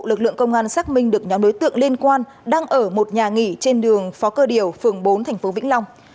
lực lượng công an xác minh được nhóm đối tượng liên quan đang ở một nhà nghỉ trên đường phó cơ điều phường bốn thành phố vĩnh long